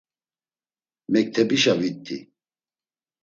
Mektebişa vit̆i.